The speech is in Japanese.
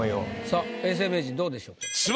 さあ永世名人どうでしょう？